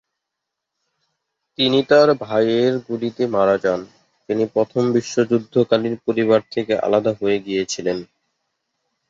তিনি তার ভাইয়ের গুলিতে মারা যান, যিনি প্রথম বিশ্বযুদ্ধকালীন পরিবার থেকে আলাদা হয়ে গিয়েছিলেন।